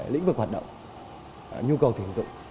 lĩnh vực hoạt động nhu cầu tiền dụng